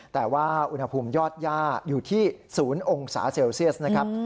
แต่ว่าอุณหภูมิยอดย่าอยู่ที่๐องศาเซลเซียสนะครับ